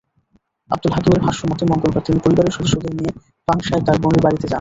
আবদুল হাকিমের ভাষ্যমতে, মঙ্গলবার তিনি পরিবারের সদস্যদের নিয়ে পাংশায় তাঁর বোনের বাড়িতে যান।